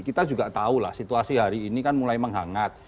kita juga tahu lah situasi hari ini kan mulai menghangat